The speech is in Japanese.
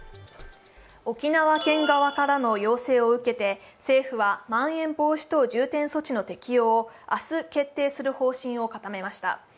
沖縄県側からの要請を受けて、政府はまん延防止等重点措置の適用を明日、決定する方針を固めました。